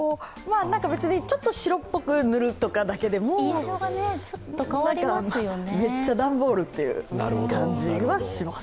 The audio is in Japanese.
別にちょっと白っぽく塗るとかだけでもめっちゃ段ボールという感じはします。